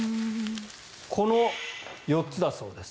この４つだそうです。